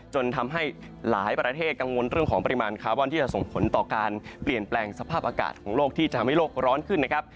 จนทำให้หลายประเทศกังวลเรื่องของปริมาณคาร์บอนที่จะส่งผลต่อการเปลี่ยนแปลงสภาพอากาศของโลกที่จะทำให้โลกร้อนขึ้นนะครับ